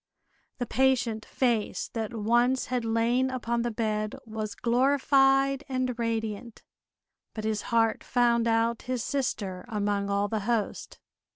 The patient face that once had lain upon the bed was glorified and radiant, but his heart found out his sister among all the host.